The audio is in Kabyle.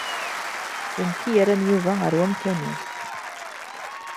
D nekk i yerran Yuba ar wemkan-is.